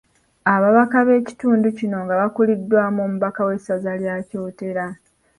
Ababaka b’ekitundu kino nga bakuliddwamu omubaka w’essaza lya Kyotera.